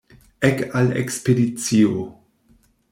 Ek al ekspedicio!